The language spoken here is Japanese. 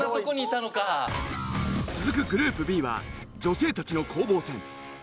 続くグループＢは女性たちの攻防戦。